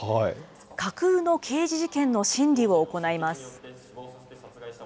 架空の刑事事件の審理を行います。